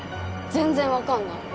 全然分かんない。